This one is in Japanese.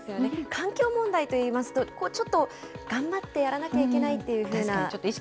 環境問題といいますと、ちょっと頑張ってやらなきゃいけないっていうふうな。